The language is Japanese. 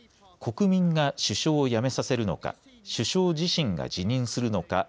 国民が首相を辞めさせるのか首相自身が辞任するのか。